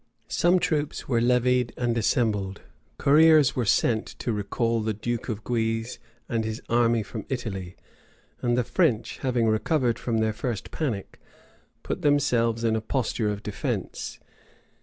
Some troops were levied and assembled. Couriers were sent to recall the duke of Guise and his army from Italy: and the French, having recovered from their first panic, put themselves in a posture of defence.